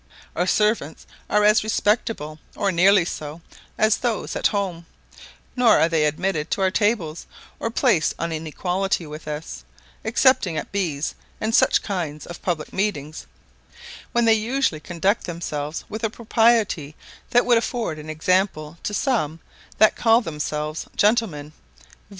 Our servants are as respectful, or nearly so, as those at home; nor are they admitted to our tables, or placed on an equality with us, excepting at "bees," and such kinds of public meetings; when they usually conduct themselves with a propriety that would afford an example to some that call themselves gentlemen, viz.